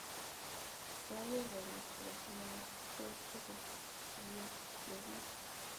Kiaker konyekchu asimaker tuguk chekiyookis